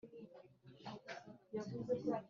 n abateganyijwe gukora muri koleji Ishuri